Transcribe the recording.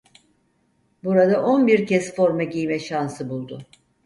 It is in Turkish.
Burada on bir kez forma giyme şansı buldu.